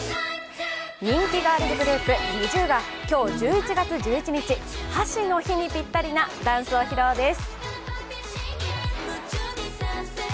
人気ガールズグループＮｉｚｉＵが箸の日にぴったりなダンスを披露です。